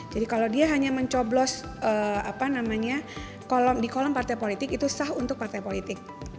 jadi kalau dia hanya mencoblos di kolom partai politik itu sah untuk partai politik